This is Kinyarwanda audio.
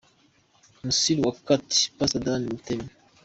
Musili Wa Kati – Pastor Dan Mutemi.